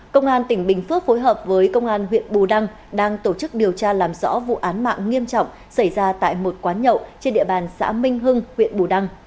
công an tỉnh bình phước phối hợp với công an huyện bù đăng đang tổ chức điều tra làm rõ vụ án mạng nghiêm trọng xảy ra tại một quán nhậu trên địa bàn xã minh hưng huyện bù đăng